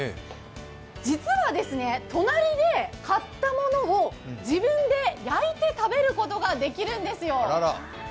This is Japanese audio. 実は隣で買ったものを自分で焼いて食べることができるんですよ。